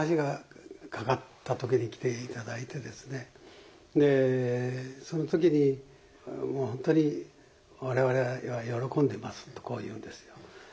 例えばその時にもう本当に我々は喜んでますとこう言うんですよ。